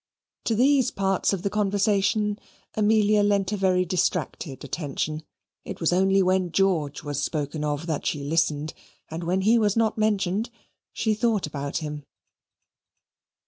To these parts of the conversation, Amelia lent a very distracted attention: it was only when George was spoken of that she listened, and when he was not mentioned, she thought about him.